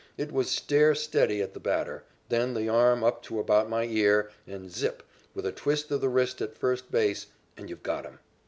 It was stare steady at the batter, then the arm up to about my ear, and zip, with a twist of the wrist at first base, and you've got him!